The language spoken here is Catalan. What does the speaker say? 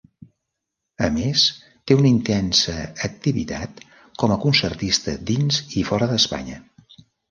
A més, té una intensa activitat com a concertista dins i fora d'Espanya.